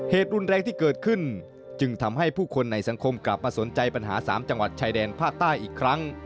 เหตุรุนแรงที่เกิดขึ้นจึงทำให้ผู้คนในสังคมกลับมาสนใจปัญหา๓จังหวัดชายแดนภาคใต้อีกครั้ง